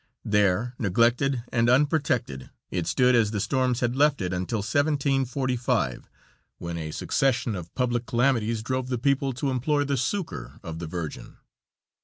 There, neglected and unprotected, it stood as the storms had left it until 1745, when a succession of public calamities drove the people to implore the succor of the Virgin.